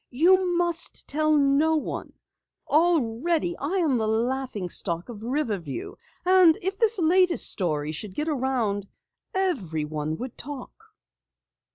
You must tell no one. Already I am the laughing stock of Riverview and if this latest story should get around everyone would talk."